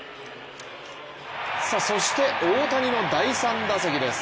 そして大谷の第３打席です。